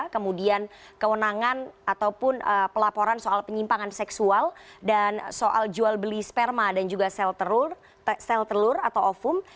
kemudian kewenangan ataupun pelaporan soal penyimpangan seksual dan soal jual beli sperma dan juga sel telur atau ofum